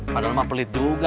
padahal mah pelit juga